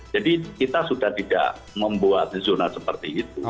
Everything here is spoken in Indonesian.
jadi kita sudah tidak membuat zona seperti itu